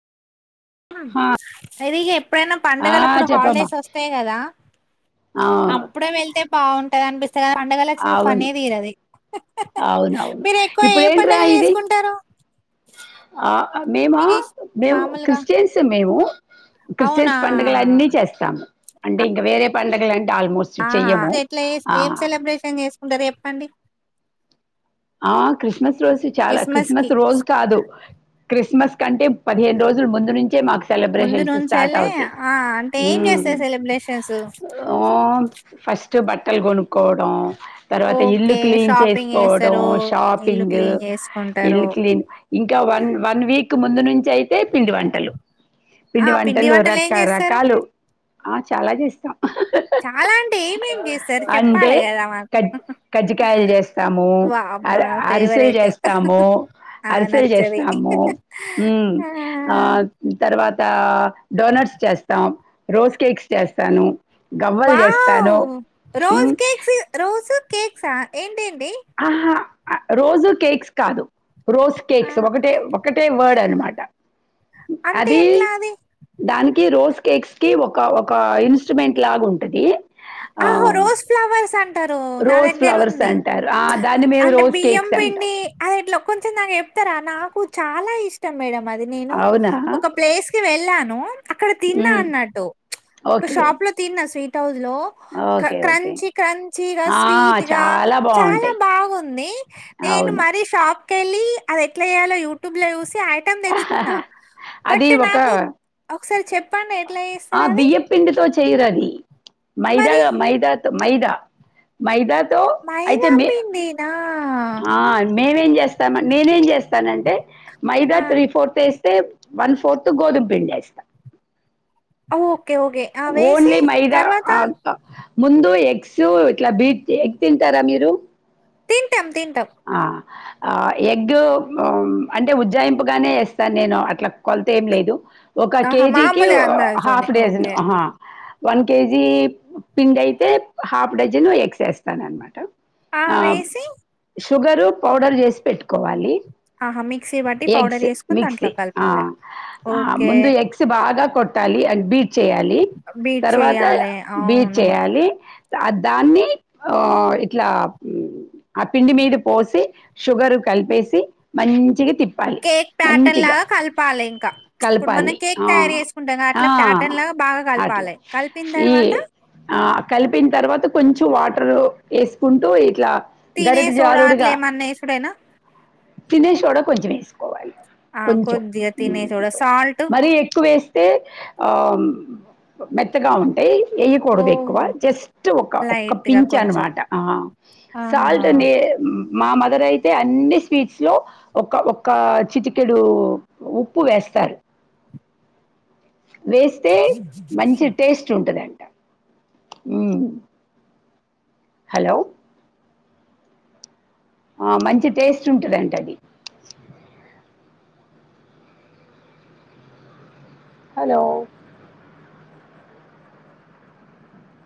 హా అది ఇగ ఎప్పుడైనా ఆ పండుగలు అప్పుడు చెప్పమ్మా హాలిడేస్ వస్తాయి కదా ఆ అప్పుడే వెళ్తే బాగుంటది అనిపిస్ స పండగలు వచ్చినప్ అవును పనే తిరది అవునవును ఇప్పుడు ఏంట్రా ఇది ఆ మేము మేము క్రిస్టియన్స్ మేము అవునా క్రిస్టియన్స్ పండుగలు అన్నీ చేస్తాం అంటే ఇంకా వేరే పండగలన్ ఆల్మోస్ట్ చెయము ఆ [unintelligible] చేసుకుంటారే చేప్పండి ఆ క్రిస్మస్ రోజు చాలా క్రిస్మస్ రోజు కాదు క్రిస్మస్ కంటే పదిహేను రోజులు ముందు నుంచే మాకు ముందు సెలబ్రేషన్స్ స్టార్ట్ నుంచెల్లే అవుతాయి ఆ అంటే ఏం హ్మ్ చేస్తారు సెలబ్రేషన్స్ ఆ ఫస్ట్ బట్టలు కొనుకోడం తర్వాత ఇల్లు ఓకే క్లీన్ షాపింగ్ చేసుకో చేస్తారు ఇల్లు షాపింగ్ క్లీన్ ఇల్లు చేసుకుంటారు క్లీన్ ఇంకా వన్ వన్ వీక్ ఇకు ముందు నుంచి అయితే పిండి వంటలు ఆ పిండి వంటలు ఏం రక చేస్తారు రకాలు ఆ చాలా చేస్తా చాలా అంటే ఏమేం చేస్తారు అంటే చెప్పాలి కదా మాకు కజ్ వావ్ అరే అరిసెలు చేస్తాము ఆ అరిసెలు నచ్చది చేస్తాము హ్మ్ ఆ తర తర్వాత డోనట్స్ చేస్తాం రోస్ కేక్స్ చేస్తాను గవ్వలు చేస్తాను వావ్ రోజ్ మ్మ్ కేక్స్ రోజు కేక్స్ ఆ ఏంటి ఆహా రోజు కేక్స్ కాదు రోస్ ఆ కేక్స్ ఒకటే ఒకటే వర్డ్ అనమాట అంటే అది ఎట్లా అది దానికి రోస్ కేక్స్ కి ఒక ఒక ఇన్స్ట్రుమెంట్ లాగ ఉంటది ఆహో ఆ రోజ్ ఫ్లవర్స్ అం అంటారు నా రోజ్ దగ్గర ఫ్లవర్స్ ఉంది అంటారు ఆ దాన్ని మేము అంటే రోజ్ బియ్యం కేక్స్ అంటాం పిండి అది ఎట్లో కొంచెం నాకు చెప్ ఇత్తర నాకు చాలా ఇష్టం మేడం మది నేను అవునా ఒక ప్లేస్ కి వెళ్ళాన్ ఊ అక్కడ తిన్నా ఉమ్, అన్నట్టు ప్చ్ ఒక ఓకే షాప్ లో తిన్నా sweet hello okay okay crunchy క్రంచిగా ఆ స్వీట్ గా చాలా చాలా బాగుంటాయి బాగుంది నేను అవును మరి షాప్ కెళ్ళి అది ఎట్లా జెయలో యూటుబ్ లో జుసి ఐటమ్ తెచ్చుకున్నా అది బట్ ఒక నాకు ఒకసారి చెప్పండి ఎట్లా ఆ జెస్తరు అది మరి మైదాగా మైదా మైదా మైదా మైదా పిండి నా స్తమండి నేనేం జెస్ తనంటే మైదా ఆ, ఫోర్త్ ఏస్తే వన్ ఫోర్త్ గోదుమ్ పిండి ఏస్తా ఓకే ఓకే ఆ వేసి మైదా తర్వాత ఆ, ఆ, ముందు ఎగ్సు ఇట్లా బీట్ జె ఎగ్ తింటారా మీరు తింటం తిం ఆ ఆ ఎగ్ హ్మ్ అంటే ఉజ్జాయింపుగానే ఏస్తాన్ నేను అట్లా కొల్తేం లేదు ఒక ఆహా కేజీకి మామూలుగా అందాజతోనే హాఫ్ డజన్ ఓకే హ వన్ కేజీ పిండయితే హాఫ్ డజన్ ఎగ్స్ ఏస్తాను అన్మాట ఆరేసి షుగరు పౌడర్ జేస్ పెట్టుకోవాలి ఆహా మిక్సీ బట్టి పౌడర్ ఎగ్స్ వేసుకుని మిక్సి దాంట్లో ఆ కలపాలి ఆ ఓకే ముందు ఎగ్స్ బాగా కొట్టలి అండ్ బీట్ చేయాలి బీట్ తర్వాత చేయాలి బీట్ అవును చేయాలి ద దాన్ని ఉ ఇట్లా హ్మ్ పిండి మీద పోసి షుగరు కల్పేసి మంచిగా తిప్ కేక్ ప్యాటన్‌లా గ కలపాలి ఇంకా ప్చ్ ఇప్పుడు మనం కలపాలి కేక్ ఆ తయారు చేసుకుంటాంగ ఆ అట్లా ప్యాటన్‌లా బాగా అట్లా కలపాలె కలిపిన్‌ తర్వాత కొంచు వాటరు వేసుకుంటూ ఇట్లా తినే గరిట సోడా జారుడుగా అట్లెమన్న ఎసుడెన కొంజం వేసుకోవాలి కొంచెం తినే సోడా సాల్ట్ మరి ఎక్కువ వేస్ య్ ఆ మెత్తగా ఉంటయ్ వేయకూడదు ఎక్కువ ఓహో జస్ట్ ఒక్క ఒక్క లైట్ గా పించ్ కొంచెం అన్మాట ఆ ఆహా అల్ట్ నే మా మదర్ అయితే అన్ని స్వీట్స్ లో ఒక ఒక చిటికెడు ఉప్పు వేస్తారు వేస్తే మంచి టేస్ట్ ఉంటదంట ఊ హాలో ఆ మంచి టేస్ట్ ఉంటదంటది హలో